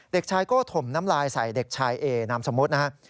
เด็กชายโก้ถมน้ำลายใส่เด็กชายเอนามสมมุตินะครับ